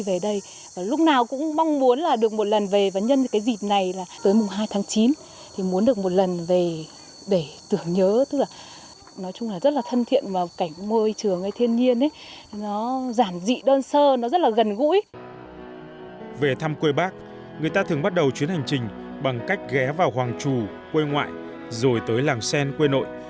về thăm quê bắc người ta thường bắt đầu chuyến hành trình bằng cách ghé vào hoàng trù quê ngoại rồi tới làng sen quê nội